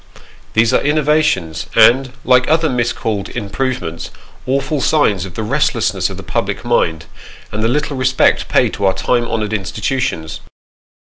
These are innovations, and, like other miscalled improvements, awful signs of the restlessness of the public mind, and the little respect paid to our time honoured institutions.